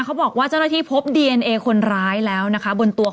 เขาบอกว่าเจ้าหน้าที่พบดีเอนเอคนร้ายแล้วนะคะบนตัว